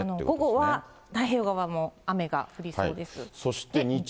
午後は太平洋側も雨が降りそうです。